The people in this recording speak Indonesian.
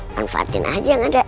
manfaatin aja yang ada